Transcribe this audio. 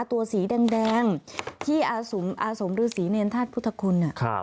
ตัวสีแดงที่อาสมหรือสีเนรนธาตุพุทธคล